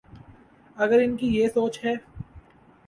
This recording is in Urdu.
اگر ان کی یہ سوچ ہے۔